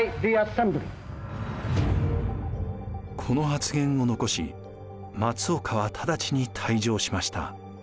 この発言を残し松岡は直ちに退場しました。